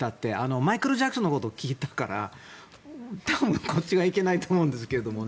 マイケル・ジャクソンのことを聞いたから多分、こっちがいけないと思うんですけどね。